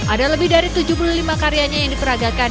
ada lebih dari tujuh puluh lima karyanya yang diperagakan